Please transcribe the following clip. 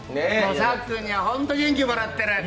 さっくんにはホント元気もらってる。